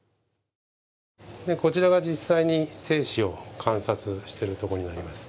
こちらが実際に精子を観察しているところになります。